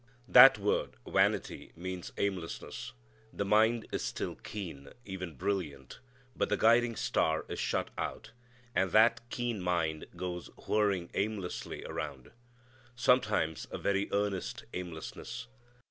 That word vanity means aimlessness. The mind is still keen, even brilliant, but the guiding star is shut out, and that keen mind goes whirring aimlessly around. Sometimes a very earnest aimlessness.